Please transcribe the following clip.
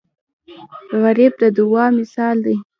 غریب د دعاو مثال دی